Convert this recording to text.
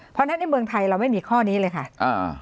เพราะฉะนั้นในเมืองไทยเราไม่มีข้อนี้เลยค่ะอ่า